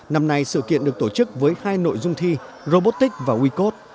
năm nay sự kiện được tổ chức với hai nội dung thi robotics và wecode